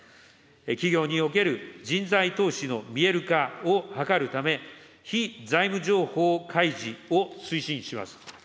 企業における人材投資の見える化を図るため、非財務情報開示を推進します。